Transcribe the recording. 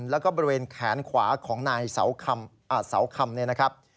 แล้วก็บริเวณแขนขวาของนายเสาคำ